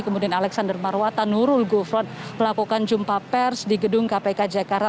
kemudian alexander marwata nurul gufron melakukan jumpa pers di gedung kpk jakarta